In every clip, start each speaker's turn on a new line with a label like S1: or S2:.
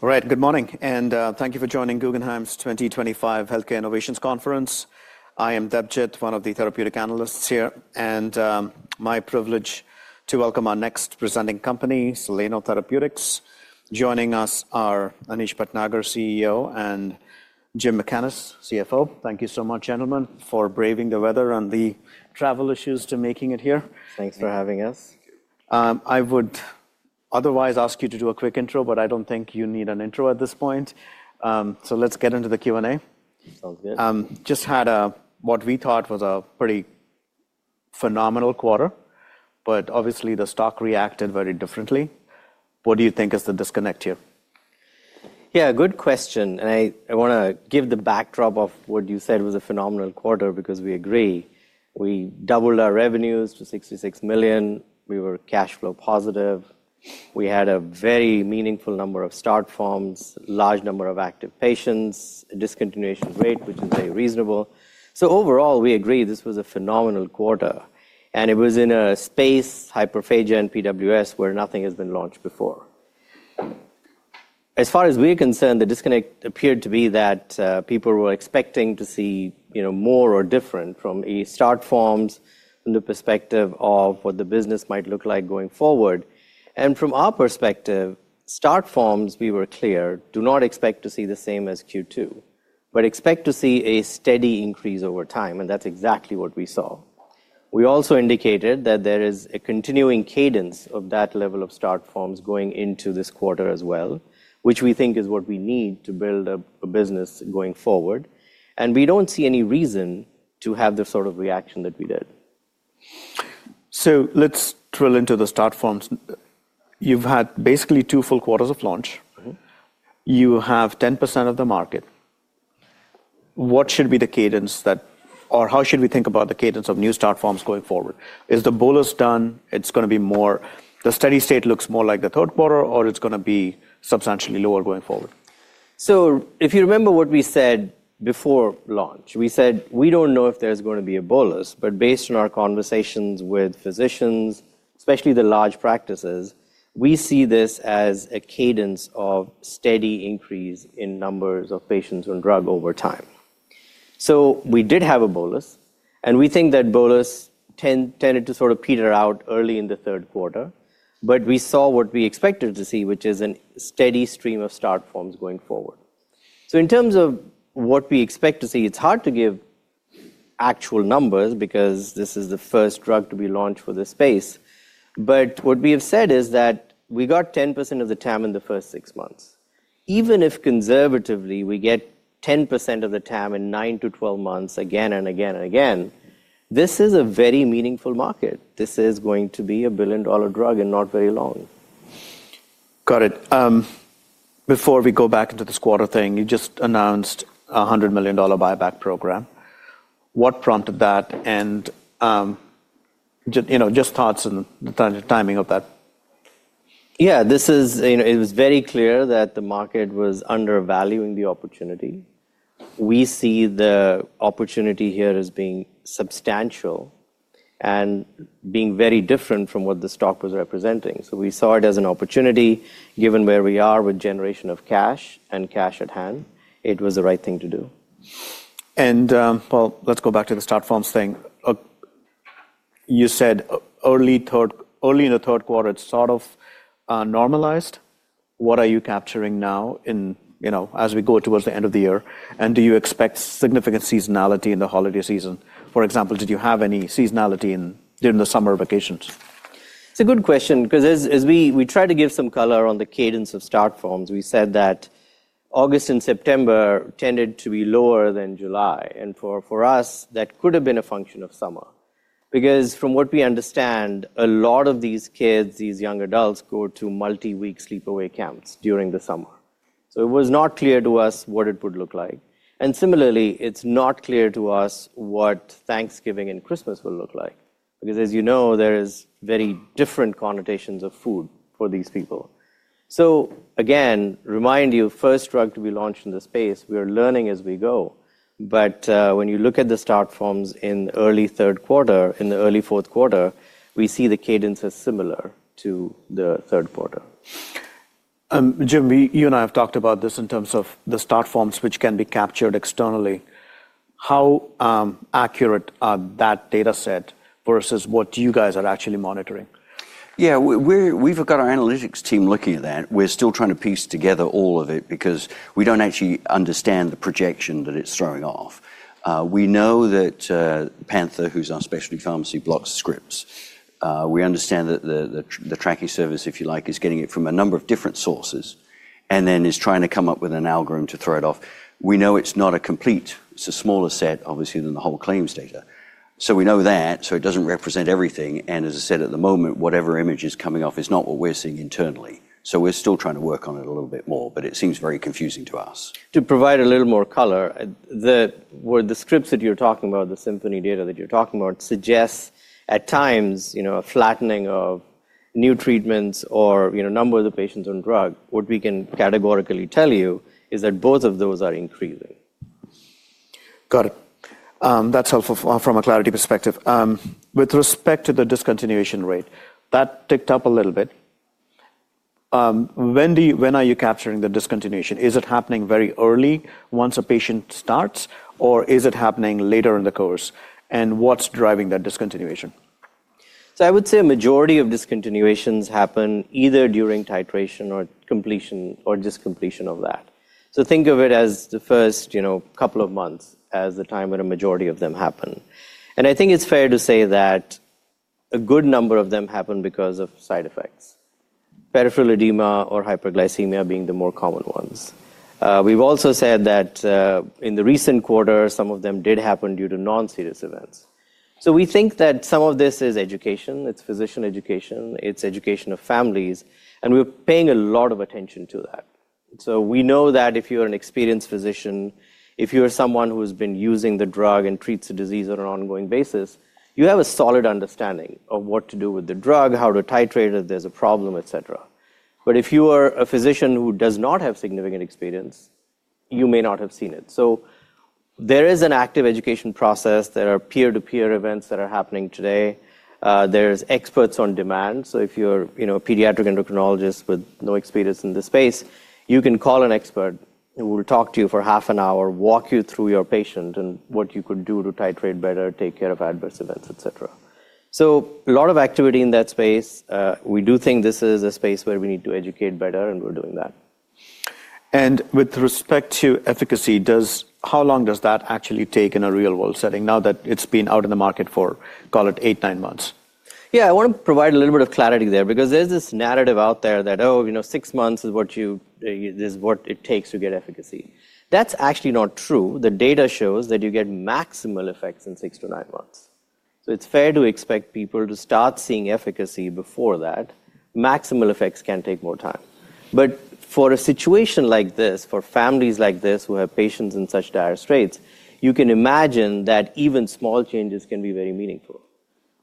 S1: All right, good morning, and thank you for joining Guggenheim's 2025 Healthcare Innovations Conference. I am Debjit, one of the therapeutic analysts here, and my privilege to welcome our next presenting company, Soleno Therapeutics. Joining us are Anish Bhatnagar, CEO, and Jim Mackaness, CFO. Thank you so much, gentlemen, for braving the weather and the travel issues to making it here.
S2: Thanks for having us.
S1: I would otherwise ask you to do a quick intro, but I do not think you need an intro at this point. Let's get into the Q&A.
S2: Sounds good.
S1: Just had what we thought was a pretty phenomenal quarter, but obviously the stock reacted very differently. What do you think is the disconnect here?
S2: Yeah, good question. I want to give the backdrop of what you said was a phenomenal quarter because we agree. We doubled our revenues to $66 million. We were cash flow positive. We had a very meaningful number of start forms, a large number of active patients, a discontinuation rate, which is very reasonable. Overall, we agree this was a phenomenal quarter, and it was in a space, hyperphagia, and PWS where nothing has been launched before. As far as we're concerned, the disconnect appeared to be that people were expecting to see more or different from start forms from the perspective of what the business might look like going forward. From our perspective, start forms, we were clear, do not expect to see the same as Q2, but expect to see a steady increase over time. That's exactly what we saw. We also indicated that there is a continuing cadence of that level of start forms going into this quarter as well, which we think is what we need to build a business going forward. We do not see any reason to have the sort of reaction that we did.
S1: Let's drill into the start forms. You've had basically two full quarters of launch. You have 10% of the market. What should be the cadence that, or how should we think about the cadence of new start forms going forward? Is the bolus done? It's going to be more the steady state looks more like the third quarter, or it's going to be substantially lower going forward?
S2: If you remember what we said before launch, we said we do not know if there is going to be a bolus, but based on our conversations with physicians, especially the large practices, we see this as a cadence of steady increase in numbers of patients on drug over time. We did have a bolus, and we think that bolus tended to sort of peter out early in the third quarter, but we saw what we expected to see, which is a steady stream of start forms going forward. In terms of what we expect to see, it is hard to give actual numbers because this is the first drug to be launched for this space. What we have said is that we got 10% of the TAM in the first six months. Even if conservatively we get 10% of the TAM in nine to 12 months again and again and again, this is a very meaningful market. This is going to be a billion-dollar drug in not very long.
S1: Got it. Before we go back into this quarter thing, you just announced a $100 million buyback program. What prompted that? Just thoughts on the timing of that?
S2: Yeah, it was very clear that the market was undervaluing the opportunity. We see the opportunity here as being substantial and being very different from what the stock was representing. We saw it as an opportunity given where we are with generation of cash and cash at hand. It was the right thing to do.
S1: Let's go back to the start forms thing. You said early in the third quarter, it sort of normalized. What are you capturing now as we go towards the end of the year? Do you expect significant seasonality in the holiday season? For example, did you have any seasonality during the summer vacations?
S2: It's a good question because as we try to give some color on the cadence of start forms, we said that August and September tended to be lower than July. For us, that could have been a function of summer because from what we understand, a lot of these kids, these young adults, go to multi-week sleepaway camps during the summer. It was not clear to us what it would look like. Similarly, it's not clear to us what Thanksgiving and Christmas will look like because, as you know, there are very different connotations of food for these people. Again, remind you, first drug to be launched in the space, we are learning as we go. When you look at the start forms in the early third quarter, in the early fourth quarter, we see the cadence is similar to the third quarter.
S1: Jim, you and I have talked about this in terms of the start forms, which can be captured externally. How accurate are that data set versus what you guys are actually monitoring?
S3: Yeah, we've got our analytics team looking at that. We're still trying to piece together all of it because we don't actually understand the projection that it's throwing off. We know that Panther, who's our specialty pharmacy, blocks scripts. We understand that the tracking service, if you like, is getting it from a number of different sources and then is trying to come up with an algorithm to throw it off. We know it's not a complete, it's a smaller set, obviously, than the whole claims data. We know that, so it doesn't represent everything. As I said, at the moment, whatever image is coming off is not what we're seeing internally. We're still trying to work on it a little bit more, but it seems very confusing to us.
S2: To provide a little more color, the scripts that you're talking about, the Symphony data that you're talking about, suggests at times a flattening of new treatments or number of the patients on drug. What we can categorically tell you is that both of those are increasing.
S1: Got it. That's helpful from a clarity perspective. With respect to the discontinuation rate, that ticked up a little bit. When are you capturing the discontinuation? Is it happening very early once a patient starts, or is it happening later in the course? What's driving that discontinuation?
S2: I would say a majority of discontinuations happen either during titration or completion or just completion of that. Think of it as the first couple of months as the time when a majority of them happen. I think it's fair to say that a good number of them happen because of side effects, peripheral edema or hyperglycemia being the more common ones. We've also said that in the recent quarter, some of them did happen due to non-serious events. We think that some of this is education. It's physician education. It's education of families. We're paying a lot of attention to that. We know that if you're an experienced physician, if you're someone who has been using the drug and treats the disease on an ongoing basis, you have a solid understanding of what to do with the drug, how to titrate it if there's a problem, et cetera. If you are a physician who does not have significant experience, you may not have seen it. There is an active education process. There are peer-to-peer events that are happening today. There is experts on demand. If you're a pediatric endocrinologist with no experience in this space, you can call an expert who will talk to you for half an hour, walk you through your patient and what you could do to titrate better, take care of adverse events, et cetera. A lot of activity in that space. We do think this is a space where we need to educate better, and we're doing that.
S1: With respect to efficacy, how long does that actually take in a real-world setting now that it's been out in the market for, call it, eight, nine months?
S2: Yeah, I want to provide a little bit of clarity there because there's this narrative out there that, oh, six months is what it takes to get efficacy. That's actually not true. The data shows that you get maximal effects in six to nine months. It's fair to expect people to start seeing efficacy before that. Maximal effects can take more time. For a situation like this, for families like this who have patients in such dire straits, you can imagine that even small changes can be very meaningful.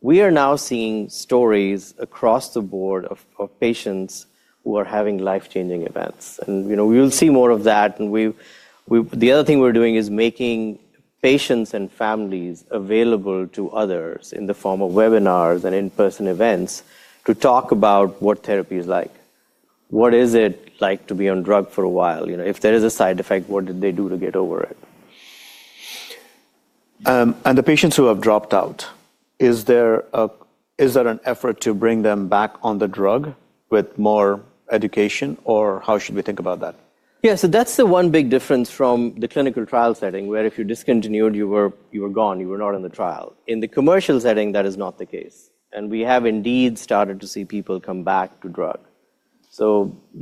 S2: We are now seeing stories across the board of patients who are having life-changing events. We will see more of that. The other thing we're doing is making patients and families available to others in the form of webinars and in-person events to talk about what therapy is like. What is it like to be on drug for a while? If there is a side effect, what did they do to get over it?
S1: The patients who have dropped out, is there an effort to bring them back on the drug with more education, or how should we think about that?
S2: Yeah, so that's the one big difference from the clinical trial setting where if you discontinued, you were gone. You were not in the trial. In the commercial setting, that is not the case. We have indeed started to see people come back to drug.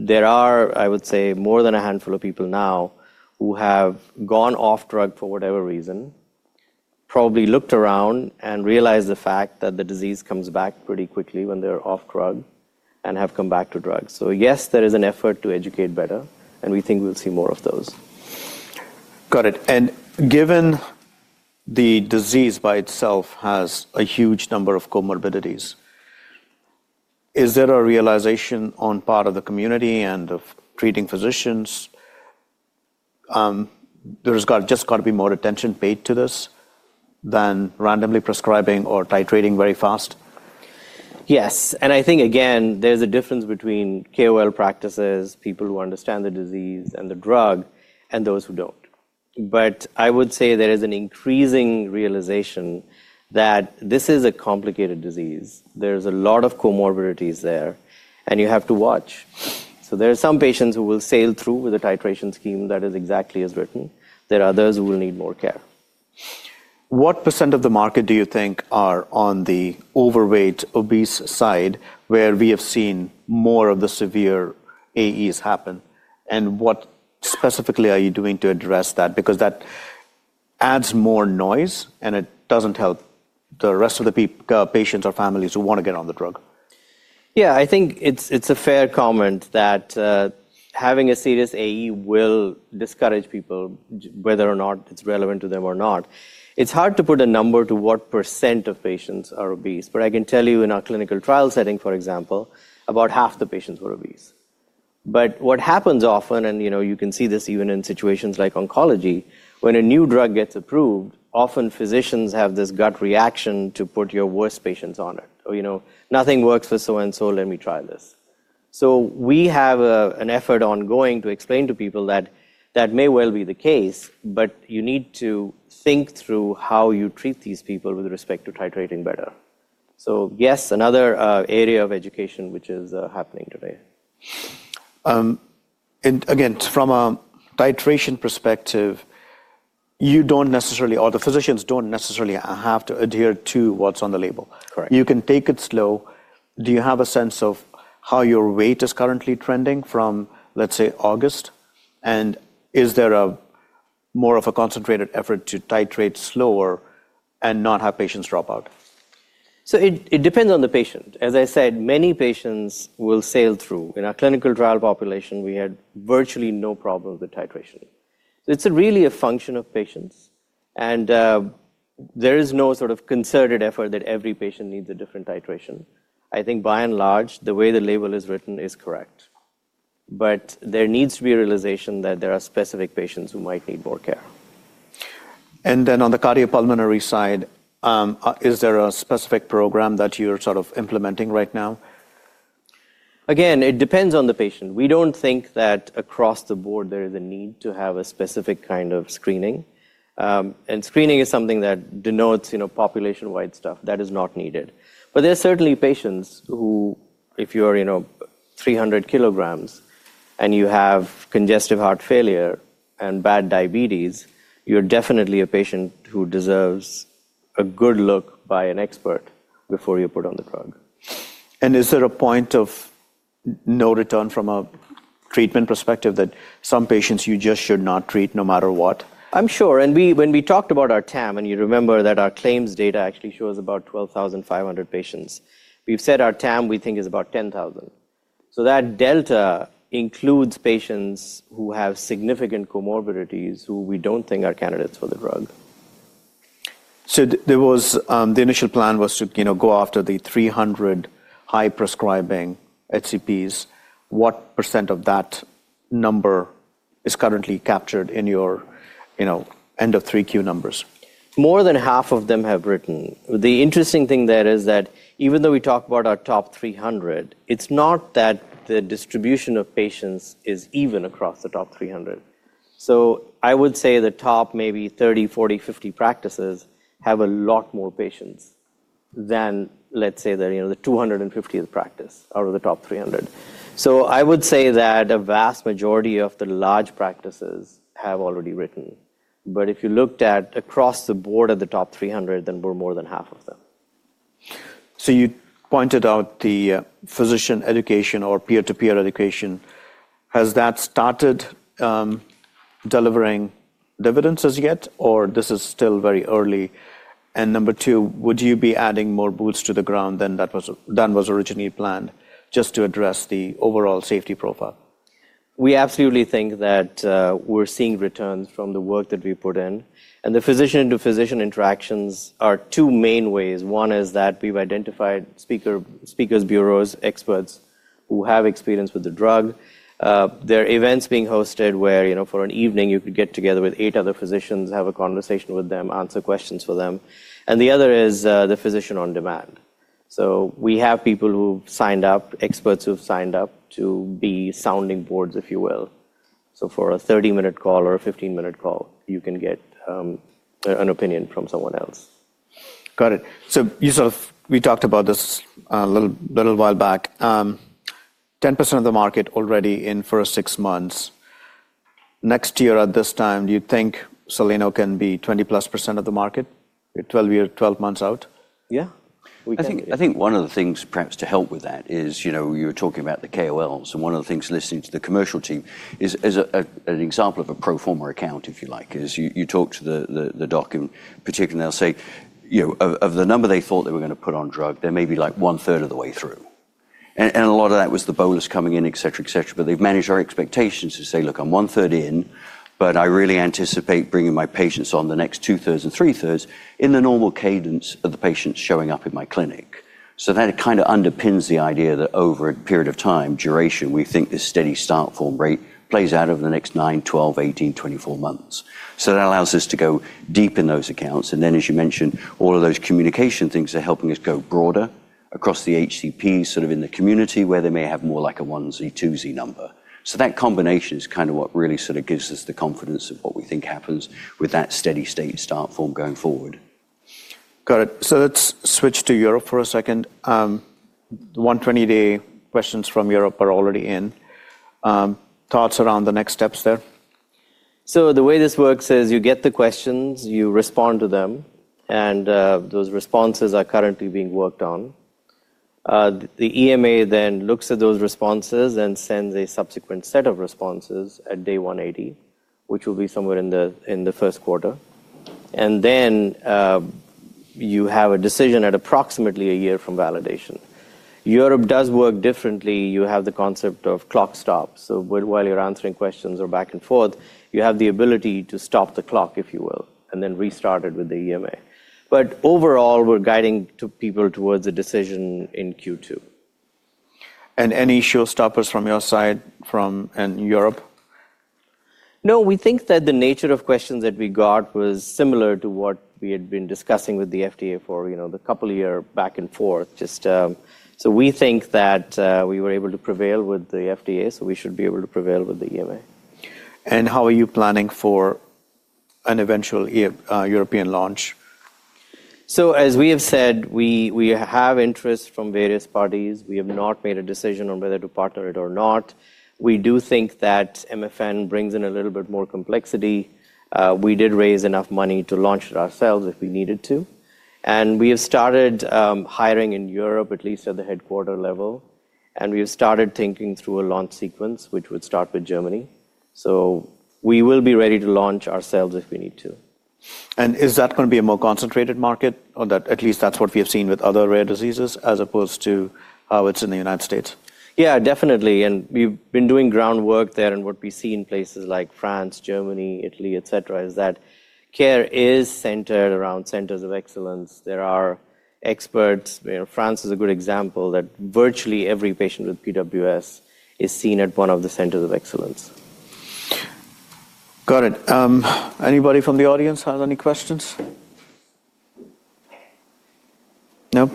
S2: There are, I would say, more than a handful of people now who have gone off drug for whatever reason, probably looked around and realized the fact that the disease comes back pretty quickly when they're off drug and have come back to drug. Yes, there is an effort to educate better, and we think we'll see more of those.
S1: Got it. Given the disease by itself has a huge number of comorbidities, is there a realization on part of the community and of treating physicians? There has just got to be more attention paid to this than randomly prescribing or titrating very fast.
S2: Yes. I think, again, there's a difference between KOL practices, people who understand the disease and the drug, and those who don't. I would say there is an increasing realization that this is a complicated disease. There's a lot of comorbidities there, and you have to watch. There are some patients who will sail through with a titration scheme that is exactly as written. There are others who will need more care.
S1: What percent of the market do you think are on the overweight, obese side where we have seen more of the severe AEs happen? What specifically are you doing to address that? Because that adds more noise, and it does not help the rest of the patients or families who want to get on the drug.
S2: Yeah, I think it's a fair comment that having a serious AE will discourage people whether or not it's relevant to them or not. It's hard to put a number to what percent of patients are obese, but I can tell you in our clinical trial setting, for example, about half the patients were obese. What happens often, and you can see this even in situations like oncology, when a new drug gets approved, often physicians have this gut reaction to put your worst patients on it. Nothing works for so-and-so. Let me try this. We have an effort ongoing to explain to people that that may well be the case, but you need to think through how you treat these people with respect to titrating better. Yes, another area of education, which is happening today.
S1: From a titration perspective, you do not necessarily, or the physicians do not necessarily have to adhere to what is on the label.
S2: Correct.
S1: You can take it slow. Do you have a sense of how your weight is currently trending from, let's say, August? Is there more of a concentrated effort to titrate slower and not have patients drop out?
S2: It depends on the patient. As I said, many patients will sail through. In our clinical trial population, we had virtually no problems with titration. It is really a function of patients. There is no sort of concerted effort that every patient needs a different titration. I think by and large, the way the label is written is correct. There needs to be a realization that there are specific patients who might need more care.
S1: On the cardiopulmonary side, is there a specific program that you're sort of implementing right now?
S2: Again, it depends on the patient. We do not think that across the board there is a need to have a specific kind of screening. Screening is something that denotes population-wide stuff that is not needed. There are certainly patients who, if you are 300 kg and you have congestive heart failure and bad diabetes, you are definitely a patient who deserves a good look by an expert before you put on the drug.
S1: Is there a point of no return from a treatment perspective that some patients you just should not treat no matter what?
S2: I'm sure. When we talked about our TAM, and you remember that our claims data actually shows about 12,500 patients, we've said our TAM we think is about 10,000. That delta includes patients who have significant comorbidities who we don't think are candidates for the drug.
S1: The initial plan was to go after the 300 high prescribing HCPs. What percent of that number is currently captured in your end of 3Q numbers?
S2: More than half of them have written. The interesting thing there is that even though we talk about our top 300, it's not that the distribution of patients is even across the top 300. I would say the top maybe 30, 40, 50 practices have a lot more patients than, let's say, the 250th practice out of the top 300. I would say that a vast majority of the large practices have already written. If you looked at across the board at the top 300, then we're more than half of them.
S1: You pointed out the physician education or peer-to-peer education. Has that started delivering dividends as yet, or is this still very early? Number two, would you be adding more boots to the ground than was originally planned just to address the overall safety profile?
S2: We absolutely think that we're seeing returns from the work that we put in. The physician-to-physician interactions are two main ways. One is that we've identified speakers, bureaus, experts who have experience with the drug. There are events being hosted where for an evening you could get together with eight other physicians, have a conversation with them, answer questions for them. The other is the physician on demand. We have people who've signed up, experts who've signed up to be sounding boards, if you will. For a 30-minute call or a 15-minute call, you can get an opinion from someone else.
S1: Got it. So we talked about this a little while back. 10% of the market already in for six months. Next year at this time, do you think Soleno can be 20%+ of the market? 12 months out?
S2: Yeah.
S3: I think one of the things perhaps to help with that is you were talking about the KOLs. And one of the things listening to the commercial team is an example of a pro forma account, if you like, is you talk to the doc, and particularly they'll say of the number they thought they were going to put on drug, they're maybe like one-third of the way through. A lot of that was the bolus coming in, et cetera, et cetera. They have managed our expectations to say, look, I'm one-third in, but I really anticipate bringing my patients on the next two-thirds and three-thirds in the normal cadence of the patients showing up in my clinic. That kind of underpins the idea that over a period of time duration, we think this steady start form rate plays out over the next nine, 12, 18, 24 months. That allows us to go deep in those accounts. Then, as you mentioned, all of those communication things are helping us go broader across the HCPs sort of in the community where they may have more like a 1Z, 2Z number. That combination is kind of what really sort of gives us the confidence of what we think happens with that steady-state start form going forward.
S1: Got it. Let's switch to Europe for a second. The 120-day questions from Europe are already in. Thoughts around the next steps there?
S2: The way this works is you get the questions, you respond to them, and those responses are currently being worked on. The EMA then looks at those responses and sends a subsequent set of responses at day 180, which will be somewhere in the first quarter. You have a decision at approximately a year from validation. Europe does work differently. You have the concept of clock stop. While you're answering questions or back and forth, you have the ability to stop the clock, if you will, and then restart it with the EMA. Overall, we're guiding people towards a decision in Q2.
S1: Any showstoppers from your side from Europe?
S2: No, we think that the nature of questions that we got was similar to what we had been discussing with the FDA for the couple of years back and forth. We think that we were able to prevail with the FDA, so we should be able to prevail with the EMA.
S1: How are you planning for an eventual European launch?
S2: As we have said, we have interest from various parties. We have not made a decision on whether to partner it or not. We do think that MFN brings in a little bit more complexity. We did raise enough money to launch it ourselves if we needed to. We have started hiring in Europe, at least at the headquarter level. We have started thinking through a launch sequence, which would start with Germany. We will be ready to launch ourselves if we need to.
S1: Is that going to be a more concentrated market, or at least that's what we have seen with other rare diseases, as opposed to how it's in the United States?
S2: Yeah, definitely. We've been doing groundwork there. What we see in places like France, Germany, Italy, et cetera, is that care is centered around centers of excellence. There are experts. France is a good example that virtually every patient with PWS is seen at one of the centers of excellence.
S1: Got it. Anybody from the audience has any questions? Nope?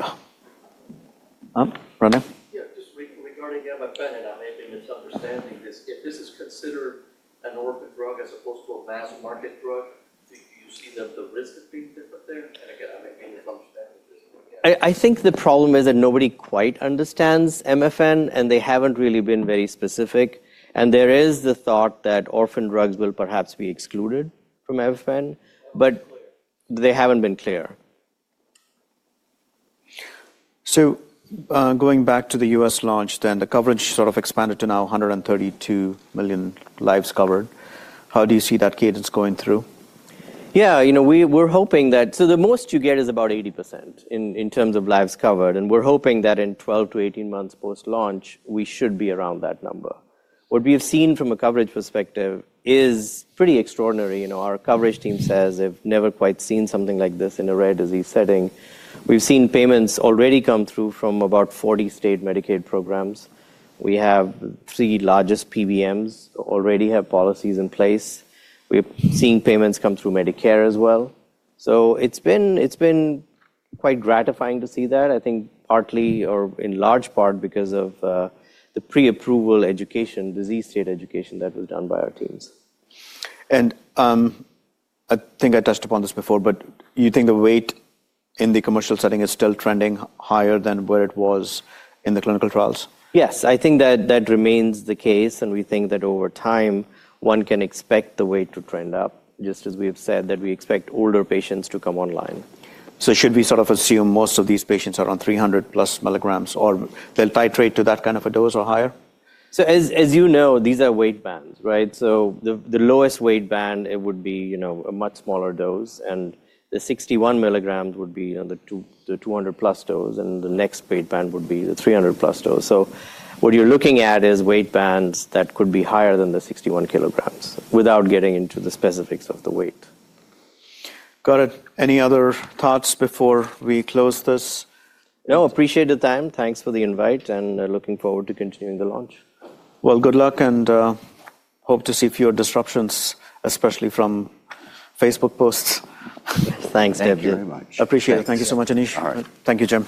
S1: Rana? Yeah, just regarding MFN, and I may be misunderstanding this. If this is considered an orphan drug as opposed to a mass market drug, do you see that the risk of being different there? I may be misunderstanding this.
S2: I think the problem is that nobody quite understands MFN, and they haven't really been very specific. There is the thought that orphan drugs will perhaps be excluded from MFN, but they haven't been clear.
S1: Going back to the U.S. launch then, the coverage sort of expanded to now 132 million lives covered. How do you see that cadence going through?
S2: Yeah, we're hoping that so the most you get is about 80% in terms of lives covered. We're hoping that in 12-18 months post-launch, we should be around that number. What we have seen from a coverage perspective is pretty extraordinary. Our coverage team says they've never quite seen something like this in a rare disease setting. We've seen payments already come through from about 40 state Medicaid programs. We have three largest PBMs already have policies in place. We're seeing payments come through Medicare as well. It's been quite gratifying to see that, I think partly or in large part because of the pre-approval education, disease state education that was done by our teams.
S1: I think I touched upon this before, but you think the weight in the commercial setting is still trending higher than where it was in the clinical trials?
S2: Yes, I think that remains the case. We think that over time, one can expect the weight to trend up, just as we have said, that we expect older patients to come online.
S1: Should we sort of assume most of these patients are on 300+ mg, or they'll titrate to that kind of a dose or higher?
S2: As you know, these are weight bands, right? The lowest weight band would be a much smaller dose. The 61 mg would be the 200+ dose. The next weight band would be the 300+ dose. What you are looking at is weight bands that could be higher than the 61 kg without getting into the specifics of the weight.
S1: Got it. Any other thoughts before we close this?
S2: No, appreciate the time. Thanks for the invite, and looking forward to continuing the launch.
S1: Good luck, and hope to see fewer disruptions, especially from Facebook posts.
S2: Thanks, Debjit.
S3: Thank you very much.
S2: Appreciate it. Thank you so much, Anish.
S3: All right.
S2: Thank you, Jim.